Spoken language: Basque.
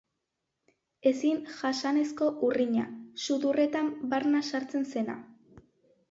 Ezin jasanezko urrina, sudurretan barna sartzen zena.